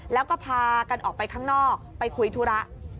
แล้วก็พากันออกไปข้างนอกไปคุยธุระ